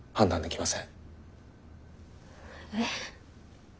えっ？